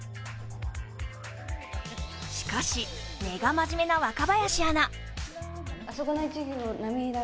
しかし、根が真面目な若林アナ。